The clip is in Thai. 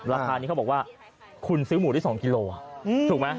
ราคานี้เขาบอกว่าคุณซื้อหมูได้๒กิโลถูกไหม